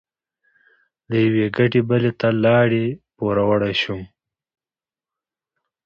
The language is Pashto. له یوې ګټې بلې ته لاړې؛ پوروړی شوم.